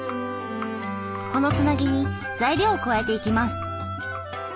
このつなぎに材料を加えていきます。